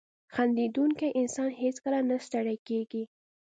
• خندېدونکی انسان هیڅکله نه ستړی کېږي.